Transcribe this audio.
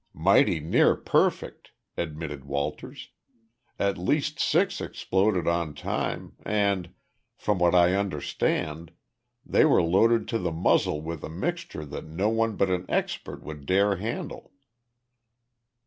"Mighty near perfect," admitted Walters. "At least six exploded on time, and, from what I understand, they were loaded to the muzzle with a mixture that no one but an expert would dare handle."